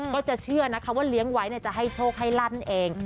ก็จะเชื่อนะคะว่าเลี้ยงไว้จะให้โชคให้ลั่นนั่นเอง